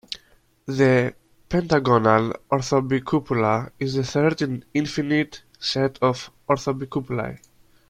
The "pentagonal orthobicupola" is the third in an infinite set of orthobicupolae.